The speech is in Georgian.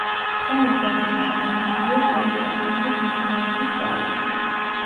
თხემურ ზონაში შემორჩენილია პლეისტოცენური გამყინვარების კვალი.